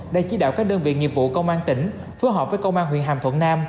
đã chỉ đạo các đơn vị nghiệp vụ công an tỉnh phối hợp với công an huyện hàm thuận nam